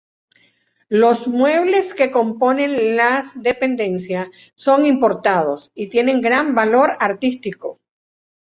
Los muebles que componen las dependencias son importados, y tienen gran valor artístico.